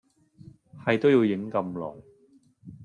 係都要影咁耐